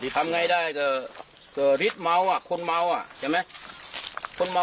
นี่แหละทำไงได้จะริดเม้าอ่ะคนเม้าอ่ะเห็นไหมคน